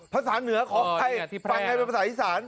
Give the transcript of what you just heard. พระศาสน์เหนือของใครฟังไงเป็นภาษาอีสาน